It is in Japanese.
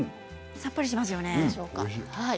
さっぱりしますよね。